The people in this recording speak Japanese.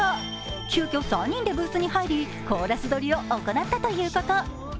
急きょ、３人でブースに入り、コーラス録りを行ったとのこと。